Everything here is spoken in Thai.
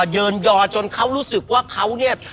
ยืนยอจนเขารู้สึกว่าเขาเนี่ย